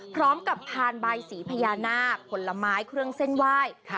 พร้อมกับผ่านใบสีพญานาคผลไม้เครื่องเส้นไหว้